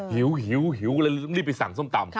หิวแล้วเริ่มรีบไปสั่งส้มตำ